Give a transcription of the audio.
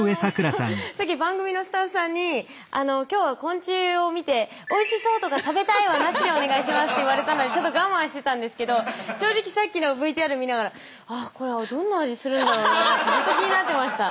さっき番組のスタッフさんに「今日は昆虫を見ておいしそうとか食べたいはなしでお願いします」って言われたのでちょっと我慢してたんですけど正直さっきのＶＴＲ見ながらってずっと気になってました。